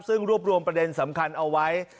ซึ่งรวบรวมประเด็นสำคัญเอาไว้